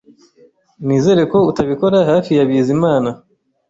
Nizere ko utabikora hafi ya Bizimana